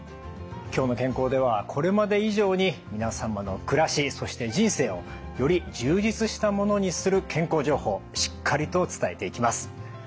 「きょうの健康」ではこれまで以上に皆様の暮らしそして人生をより充実したものにする健康情報しっかりと伝えていきます。